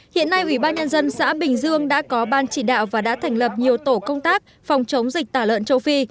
hiện nay ủy ban nhân dân xã bình dương đã có ban chỉ đạo và đã thành lập nhiều tổ công tác phòng chống dịch tả lợn châu phi